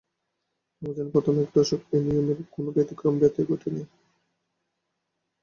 অ্যামাজনের প্রথম এক দশকে এই নিয়মের তো কোনো ব্যতয়ই ঘটেনি।